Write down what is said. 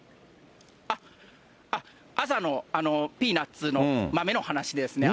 朝のピーナッツの、豆の話ですね。